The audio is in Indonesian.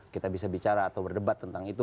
kita bisa bicara atau berdebat tentang itu